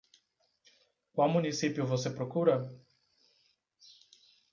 Qual município você procura?